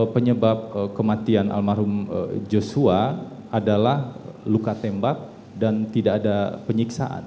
penyebab kematian almarhum joshua adalah luka tembak dan tidak ada penyiksaan